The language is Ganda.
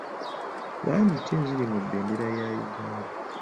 Langi ki eziri mu bendera ya Uganda?